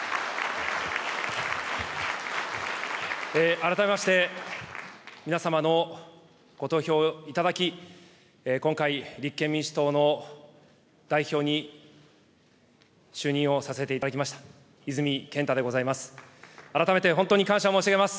改めまして、皆様のご投票いただき、今回、立憲民主党の代表に就任をさせていただきました、泉健太でございます。